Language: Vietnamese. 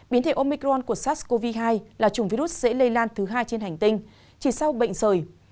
biến thể omicron của sars cov hai là chủng virus dễ lây lan thứ hai trên hành tinh chỉ sau bệnh rời